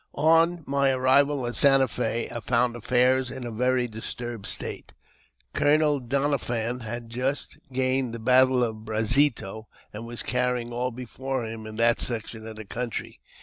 ON my arrival at Santa Fe I found affairs in a very dis turbed state. Colonel Doniphan had just gained the l^attle of Brasito, and was carrying all before him in that •section of the country.